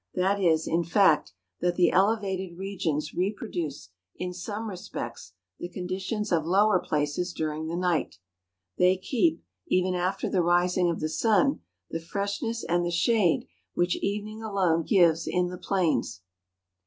That is, in fact, that the elevated regions reproduce in some respects the conditions of lower places during the night; they keep, even after the rising of the sun, the freshness and the shade which evening alone gives in the plains.